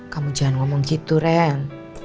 kamu jangan ngomong gitu rem